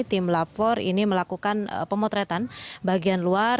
tim lafor ini melakukan pemotretan bagian luar